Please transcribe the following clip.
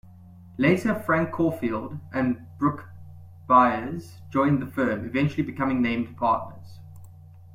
Later, Frank Caufield and Brook Byers joined the firm, eventually becoming named partners.